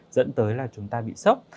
dẫn tới là chúng ta bị sốc